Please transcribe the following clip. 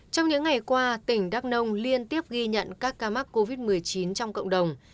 trong những ngày qua tỉnh đắk nông liên tiếp ghi nhận các ca mắc covid một mươi chín trong cộng đồng